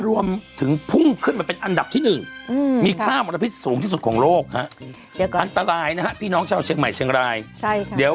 วันนี้แต่ก็เช้าเลย